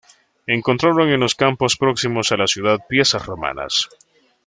Encontraron en los campos próximos a la ciudad piezas romanas.